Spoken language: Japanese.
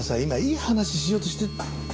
今いい話しようとして。